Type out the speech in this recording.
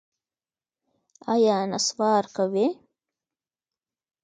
ایا نسوار کوئ؟